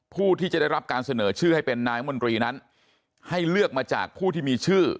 ผู้ที่จะได้รับการเสนอชื่อให้เป็นนายมนตรีนั้นให้เลือกมาจากผู้ที่มีชื่อ